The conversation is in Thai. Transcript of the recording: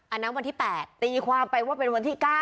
อันนั้นวันที่๘ตีความไปว่าเป็นวันที่๙